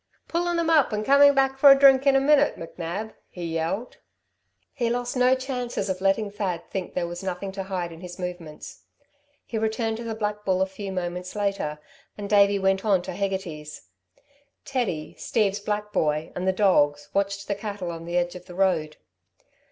"Pullin' 'em up and comin' back for a drink in a minute, McNab," he yelled. He lost no chances of letting Thad think there was nothing to hide in his movements. He returned to the Black Bull a few moments later, and Davey went on to Hegarty's. Teddy, Steve's black boy, and the dogs, watched the cattle on the edge of the road.